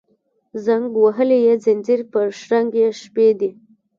زنګ وهلي یې ځینځیر پر شرنګ یې شپې دي